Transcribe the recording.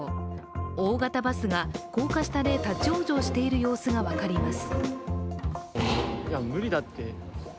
大型バスが高架下で立往生している様子が分かります。